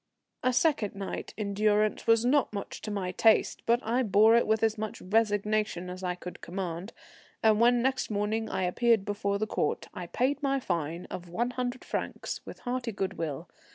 A second night in durance was not much to my taste, but I bore it with as much resignation as I could command; and when next morning I appeared before the Court, I paid my fine of one hundred francs with hearty good will.